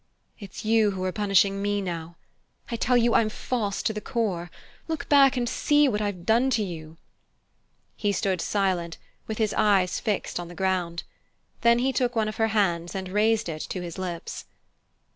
"It's you who are punishing me now. I tell you I'm false to the core. Look back and see what I've done to you!" He stood silent, with his eyes fixed on the ground. Then he took one of her hands and raised it to his lips.